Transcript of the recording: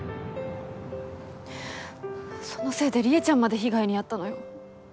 そのせいでりえちゃんまで被害に遭ったのよ。